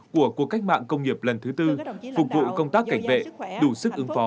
của cuộc cách mạng công nghiệp lần thứ tư phục vụ công tác cảnh vệ đủ sức ứng phó